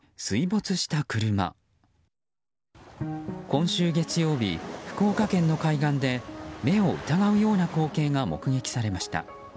今週月曜日、福岡県の海岸で目を疑うような光景が目撃されました。